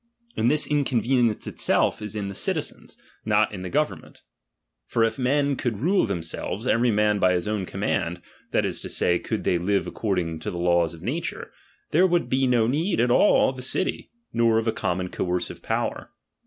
And this inconvenience itself is in the citizens, not in llie government. For if men could rule themselves, every man by liis own command, that ia to say, could they live according lo the l4"a of nature, there would be no need at all of a city, nor of a Mmmon coercive power.